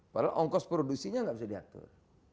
padahal ongkos produksinya nggak bisa diatur